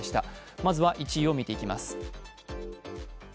まずは１位を見ていきます。